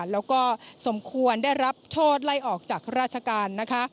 และสมควรได้รับโทษไล่ออกจากราชการ